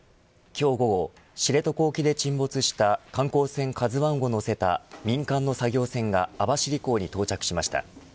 今日午後知床沖で沈没した観光船ＫＡＺＵ１を載せた民間の作業船が網走港に到着しました。